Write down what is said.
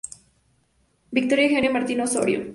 Victoria Eugenia Martín Osorio.